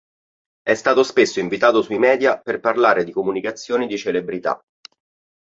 È stato spesso invitato sui media per parlare di comunicazioni di celebrità.